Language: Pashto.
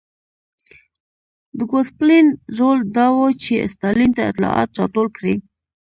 د ګوسپلین رول دا و چې ستالین ته اطلاعات راټول کړي